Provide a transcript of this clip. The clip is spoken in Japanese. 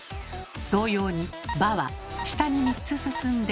同様に「ば」は下に３つ進んで「べ」に。